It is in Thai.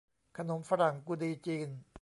ขนมฝรั่งกุฎีจีน